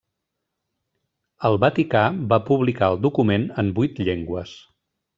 El Vaticà va publicar el document en vuit llengües.